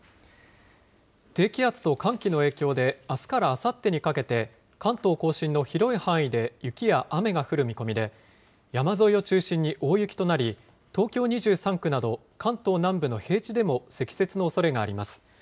低気圧と寒気の影響で、あすからあさってにかけて、関東甲信の広い範囲で雪や雨が降る見込みで、山沿いを中心に大雪となり、東京２３区など関東南部の平地でも積雪のおそれがあります。